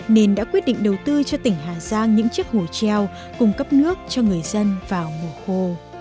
nên đã quyết định đầu tư cho tỉnh hà giang những chiếc hồ treo cung cấp nước cho người dân vào mùa khô